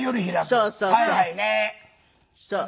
そうそうそう。